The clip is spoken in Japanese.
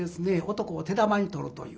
男を手玉に取るという。